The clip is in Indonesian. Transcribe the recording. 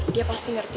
dia pasti ngerti